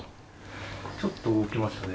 ちょっと動きましたね。